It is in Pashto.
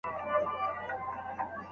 ساعت څومره زوړ دی؟